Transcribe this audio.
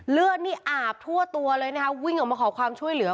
เลือดนี่อาบทั่วตัวเลยนะคะวิ่งออกมาขอความช่วยเหลือ